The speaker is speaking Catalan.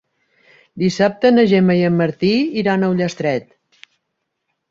Dissabte na Gemma i en Martí iran a Ullastret.